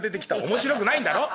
「面白くないんだろ？